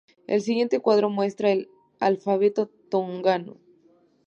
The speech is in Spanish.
El siguiente cuadro muestra el alfabeto tongano.